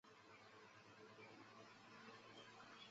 它是由北欧女神吉菲昂与四头牛所组成。